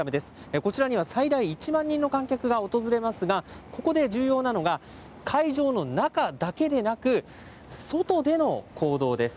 こちらには最大１万人の観客が訪れますが、ここで重要なのが、会場の中だけでなく、外での行動です。